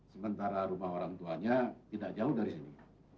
sementara rumah orang tuanya tidak jauh dari sini